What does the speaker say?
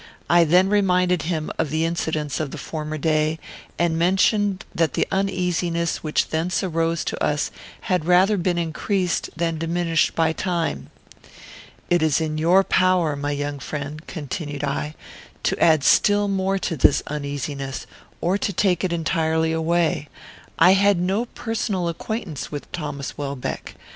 I then reminded him of the incidents of the former day, and mentioned that the uneasiness which thence arose to us had rather been increased than diminished by time. "It is in your power, my young friend," continued I, "to add still more to this uneasiness, or to take it entirely away. I had no personal acquaintance with Thomas Welbeck.